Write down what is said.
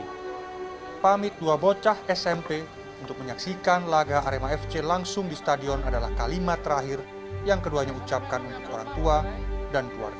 pamit dua bocah smp untuk menyaksikan laga arema fc langsung di stadion adalah kalimat terakhir yang keduanya ucapkan untuk orang tua dan keluarga